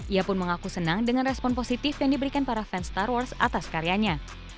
ia pun mengaku senang dengan respon positif yang diberikan para fans star wars atas karyanya